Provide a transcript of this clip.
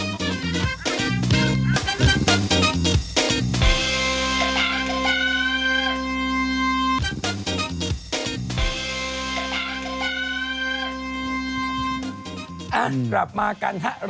อ่ะกลับมากันฮะเราไปกัน